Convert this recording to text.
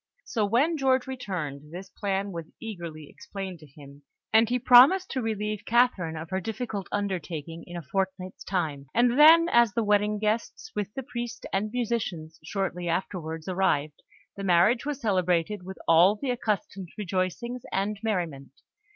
So when George returned, this plan was eagerly explained to him, and he promised to relieve Catherine of her difficult undertaking in a fortnight's time; and then, as the wedding guests, with the priest and musicians, shortly afterwards arrived, the marriage was celebrated with all the accustomed rejoicings and merriment.